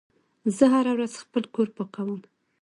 زه هره ورځ خپل کور پاکوم.